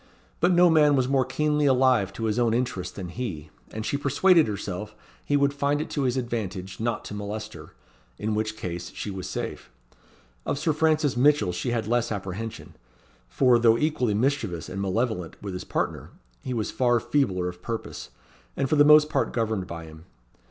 But no man was more keenly alive to his own interest than he; and she persuaded herself he would find it to his advantage not to molest her: in which case she was safe. Of Sir Francis Mitchell she had less apprehension; for, though equally mischievous and malevolent with his partner, he was far feebler of purpose, and for the most part governed by him.